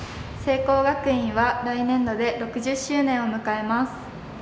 聖光学院は来年度で６０周年を迎えます。